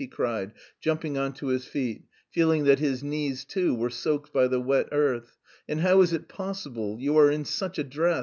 "_ he cried, jumping on to his feet, feeling that his knees too were soaked by the wet earth. "And how is it possible... you are in such a dress...